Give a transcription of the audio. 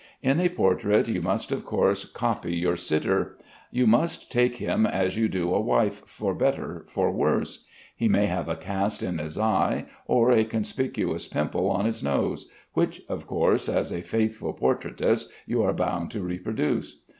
In a portrait you must of course copy your sitter. You must take him as you do a wife, for better, for worse. He may have a cast in his eye or a conspicuous pimple on his nose, which, of course, as a faithful portraitist you are bound to reproduce.